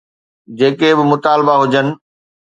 جيڪي به مطالبا هجن.